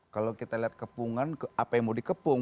kalau kita lihat kepungan apa yang mau dikepung